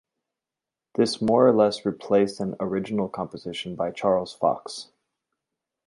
This more or less replaced an original composition by Charles Fox.